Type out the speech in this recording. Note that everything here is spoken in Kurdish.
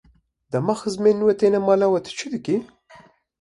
Dema xizmên we têne mala we, tu çi dikî?